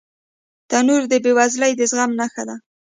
تنور د بې وزلۍ د زغم نښه ده